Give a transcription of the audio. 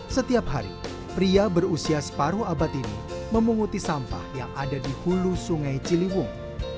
setiap hari pria berusia separuh abad ini memunguti sampah yang ada di hulu sungai ciliwung